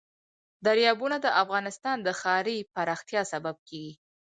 دریابونه د افغانستان د ښاري پراختیا سبب کېږي.